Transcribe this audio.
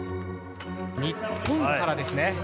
日本からですね。